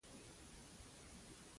مېز د ناستې او خوړلو ترکیب دی.